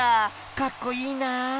かっこいいなあ。